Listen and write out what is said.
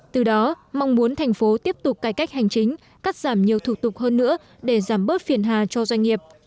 từ đó mong muốn thành phố tiếp tục cải cách hành chính cắt giảm nhiều thủ tục hơn nữa để giảm bớt phiền hà cho doanh nghiệp